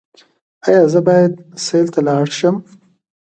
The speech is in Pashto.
ایا زه باید سیل ته لاړ شم؟